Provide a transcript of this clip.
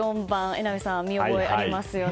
榎並さん、見覚えありますよね。